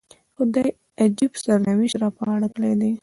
خدای عجیب سرنوشت را په غاړه کړی دی.